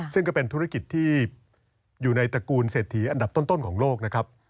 ซึ่งก็เป็นธุรกิจที่อยู่ในตระกูลเศรษฐีอันดับต้นของโลกนะครับ